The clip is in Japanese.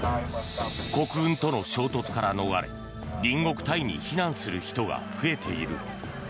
国軍との衝突から逃れ隣国タイに避難する人が増えている。